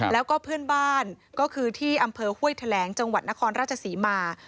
แล้วก็เพื่อนบ้านก็คือที่อำเภอห้วยแถลงจังหวัดนครราชศรีมา